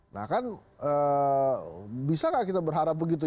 nah kan bisa nggak kita berharap begitu